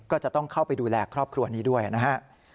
ก็จะต้องเข้าไปดูแลครอบครัวนี้ด้วยนะฮะ